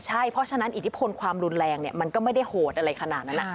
ใช่เพราะฉะนั้นอิทธิพลความรุนแรงมันก็ไม่ได้โหดอะไรขนาดนั้น